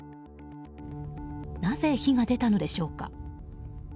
なぜ火が出たのでしょうか。